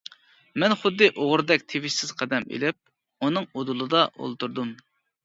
مەن خۇددى ئوغرىدەك تىۋىشسىز قەدەم ئېلىپ ئۇنىڭ ئۇدۇلىدا ئولتۇردۇم.